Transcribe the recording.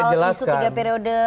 menyebut soal bisnis tiga periode